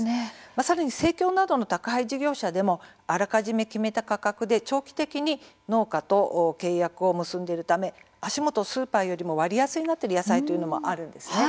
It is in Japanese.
さらに生協などの宅配事業者でもあらかじめ決めた価格で農家と契約を結んでいるため足元のスーパーより割安になっている野菜もあるんです。